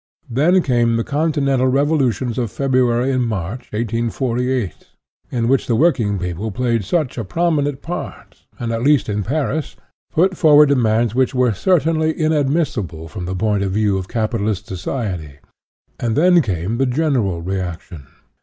Then came the Continental revolutions of February and March, 1848, in which the work ing people played such a prominent part, and, at least in Paris, put forward demands which were certainly inadmissible from the point of view of capitalistic society. And then came the general reaction.